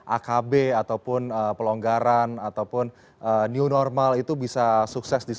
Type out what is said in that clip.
akb ataupun pelonggaran ataupun new normal itu bisa sukses